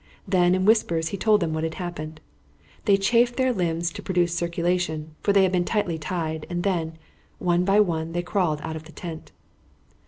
Then in whispers he told them what had happened. They chafed their limbs to produce circulation, for they had been tightly tied, and then, one by one, they crawled out of the tent.